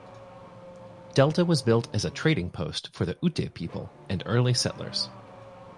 Delta was built as a trading post for the Ute people and early settlers.